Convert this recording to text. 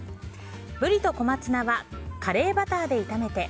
ブリとコマツナはカレーバターで炒めて。